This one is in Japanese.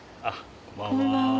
こんばんは。